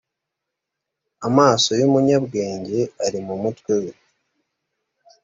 amaso y umunyabwenge ari mu mutwe we